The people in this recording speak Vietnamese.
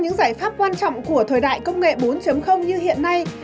những giải pháp quan trọng của thời đại công nghệ bốn như hiện nay